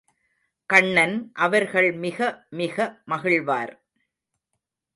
கண்ணன் அவர்கள் மிக மிக மகிழ்வார்.